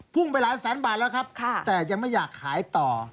ไปหลายแสนบาทแล้วครับแต่ยังไม่อยากขายต่อ